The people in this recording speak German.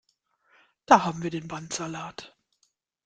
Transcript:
Da haben wir den Bandsalat!